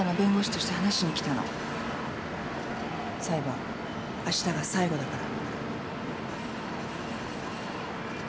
裁判あしたが最後だから。